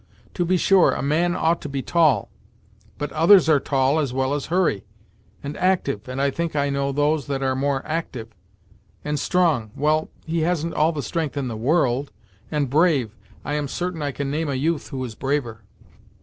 To be sure, a man ought to be tall, but others are tall, as well as Hurry; and active and I think I know those that are more active and strong; well, he hasn't all the strength in the world and brave I am certain I can name a youth who is braver!"